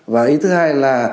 và ý thứ hai là